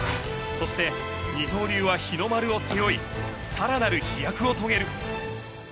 そして二刀流は日の丸を背負い更なる飛躍を遂げる。